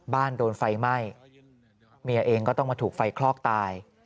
โดนไฟไหม้เมียเองก็ต้องมาถูกไฟคลอกตาย